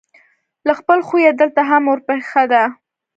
له خپل خویه دلته هم ورپېښه ده.